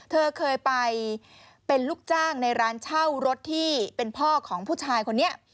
เธอเคยไปเป็นลูกจ้างในร้านเช่ารถที่เป็นพ่อของผู้ชายคนนี้